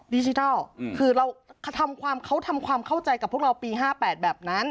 ดิจิทัลคือเราทำความเขาทำความเข้าใจกับพวกเราปี๕๘แบบนั้น